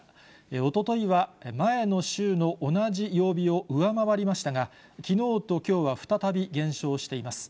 おとといは前の週の同じ曜日を上回りましたが、きのうときょうは再び減少しています。